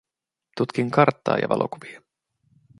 Tutkin karttaa ja valokuvia.